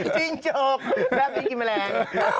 จริงจบแลบลิ้นกินแมลง